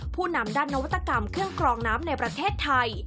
ผู้นำด้านนวัตกรรมเครื่องกรองน้ำในประเทศไทย